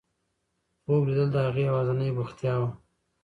خوب لیدل د هغې یوازینۍ بوختیا وه.